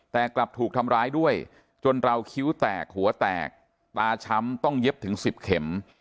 แต่กลับถูกทำร้ายด้วยจนเราคิ้วแตกหัวแตกตาช้ำต้องเย็บถึง๑๐เข็ม